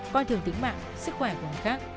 coi thường tính mạng sức khỏe của người khác